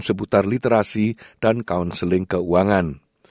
seputar literasi dan counseling keuangan